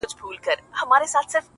• لا تر څو به دي قسمت په غشیو ولي -